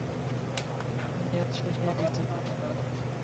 মেয়াদ শেষ হয়ে গেছে।